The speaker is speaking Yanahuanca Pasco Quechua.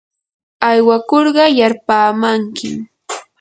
aywakurqa yarpaamankim.